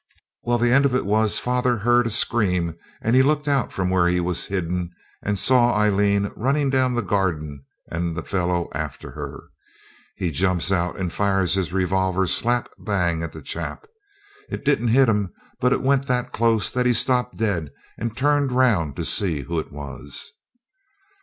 Well, the end of it was father heard a scream, and he looked out from where he was hidden and saw Aileen running down the garden and the fellow after her. He jumps out, and fires his revolver slapbang at the chap; it didn't hit him, but it went that close that he stopped dead and turned round to see who it was.